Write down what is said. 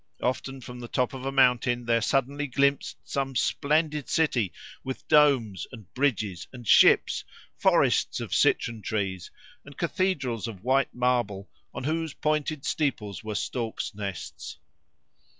Often from the top of a mountain there suddenly glimpsed some splendid city with domes, and bridges, and ships, forests of citron trees, and cathedrals of white marble, on whose pointed steeples were storks' nests.